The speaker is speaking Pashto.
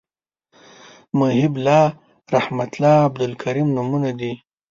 محیب الله رحمت الله عبدالکریم نومونه دي